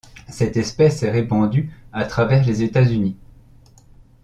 Cette espèce est répandue à travers les États-Unis.